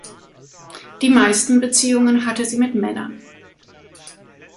Die meisten Beziehungen hatte sie mit Männern.